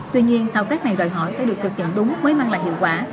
tuy nhiên thao tác này đòi hỏi phải được thực hiện đúng mới mang lại hiệu quả